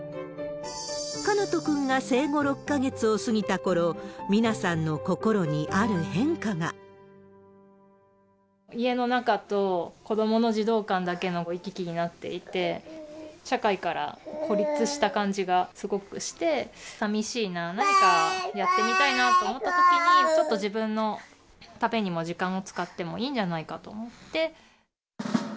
奏斗くんが生後６か月を過ぎたころ、美奈さんの心に、ある変化が。家の中と子どもの児童館だけの行き来になっていて、社会から孤立した感じがすごくして、さみしいな、なんかやってみたいなと思ったときに、ちょっと自分のためにも時間を使ってもいいんじゃないかと思って。